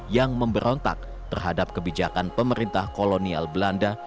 yang memberontak terhadap kebijakan pemerintah kolonial belanda